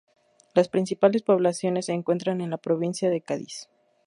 Las principales poblaciones se encuentran en la provincia de Cádiz.